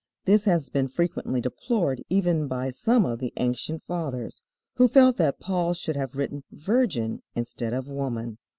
This has been frequently deplored even by some of the ancient fathers who felt that Paul should have written "virgin" instead of woman.